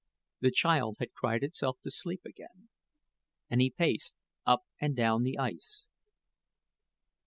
The child had cried itself to sleep again, and he paced up and down the ice.